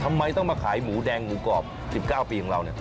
ทำไมต้องมาขายหมูแดงหมูกรอบ๑๙ปีของเราเนี่ย